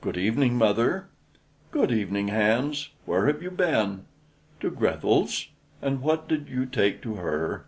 "Good evening, mother." "Good evening, Hans. Where have you been?" "To Grethel's." "And what did you take to her?"